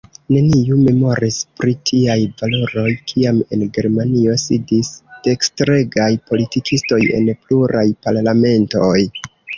Neniu memoris pri tiaj valoroj, kiam en Germanio sidis dekstregaj politikistoj en pluraj parlamentoj.